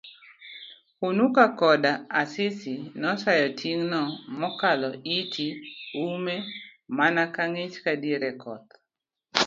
Hunuka Koda Asisi nosayo tigno mokaloitie ume mana kangich kadiere koth.